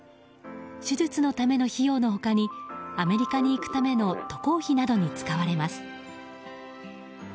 手術のための費用の他にアメリカに行くための渡航費などに使われます。